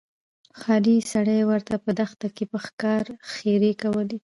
ښکارې سړي ورته په دښته کښي په ښکاره ښيرې کولې